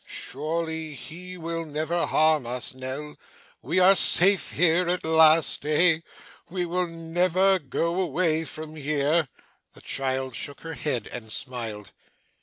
Surely he will never harm us, Nell. We are safe here, at last, eh? We will never go away from here?' The child shook her head and smiled.